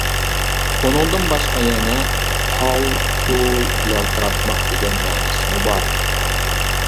ئۇنىڭدىن باشقا يەنە «پال پۇل يالتىراتماق» دېگەن مەنىسىمۇ بار.